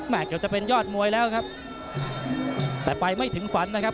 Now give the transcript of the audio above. เกือบจะเป็นยอดมวยแล้วครับแต่ไปไม่ถึงฝันนะครับ